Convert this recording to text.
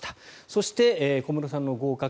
そして、小室さんの合格